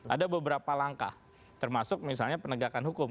ada beberapa langkah termasuk misalnya penegakan hukum